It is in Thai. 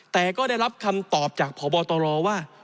แต่ก็ได้รับคำตอบจากพบตรว่า